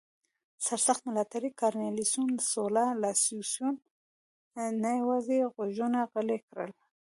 سرسخت ملاتړي کارنلیوس سولا لوسیوس نه یوازې غږونه غلي کړل